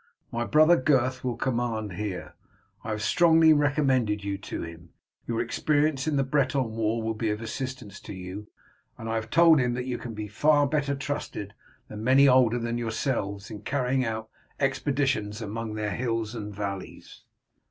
My brother, Gurth, will command here. I have strongly recommended you to him. Your experience in the Breton war will be of assistance to you, and I have told him that you can be far better trusted than many older than yourselves in carrying out expeditions among their hills and valleys.